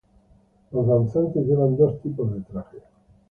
Los danzantes llevan dos tipos de traje.